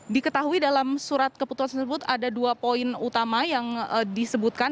diketahui dalam surat keputusan tersebut ada dua poin utama yang disebutkan